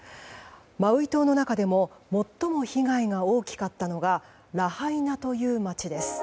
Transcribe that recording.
マウイ島の中でも最も被害が大きかったというのがラハイナという街です。